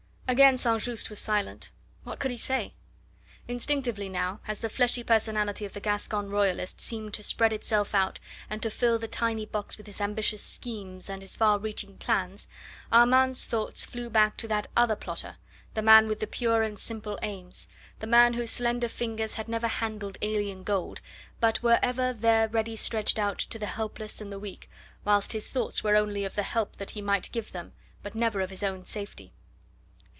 Again St. Just was silent. What could he say? Instinctively now, as the fleshy personality of the Gascon Royalist seemed to spread itself out and to fill the tiny box with his ambitious schemes and his far reaching plans, Armand's thoughts flew back to that other plotter, the man with the pure and simple aims, the man whose slender fingers had never handled alien gold, but were ever there ready stretched out to the helpless and the weak, whilst his thoughts were only of the help that he might give them, but never of his own safety.